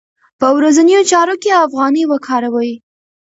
په ورځنیو چارو کې افغانۍ وکاروئ.